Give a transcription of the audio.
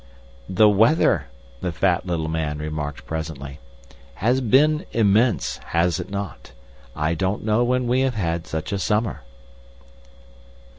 "The weather," the fat little man remarked presently, "has been immense, has it not? I don't know when we have had such a summer."